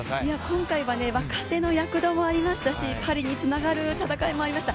今回は若手の躍動もありましたし、パリにつながる戦いもありました。